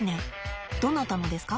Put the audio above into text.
どなたのですか？